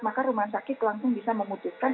maka rumah sakit langsung bisa memutuskan